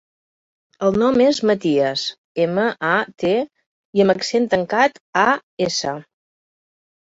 El nom és Matías: ema, a, te, i amb accent tancat, a, essa.